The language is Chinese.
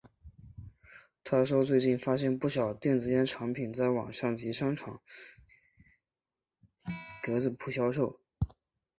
他说最近发现不少电子烟产品在网上及商场格仔铺销售。